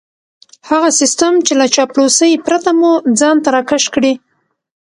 هغه سيستم چې له چاپلوسۍ پرته مو ځان ته راکش کړي.